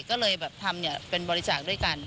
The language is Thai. ก็เลยแบบทำเป็นบริจาคด้วยกัน